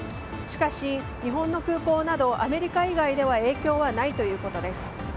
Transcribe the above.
しかし、日本の空港などアメリカ以外では影響はないということです。